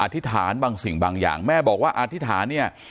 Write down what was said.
ธิษฐานบางสิ่งบางอย่างแม่บอกว่าอธิษฐานเนี่ย